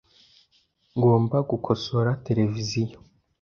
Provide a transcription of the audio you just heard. Ngomba gukosora televiziyo .